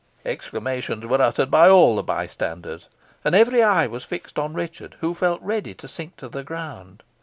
Exclamations were uttered by all the bystanders, and every eye was fixed on Richard, who felt ready to sink to the ground.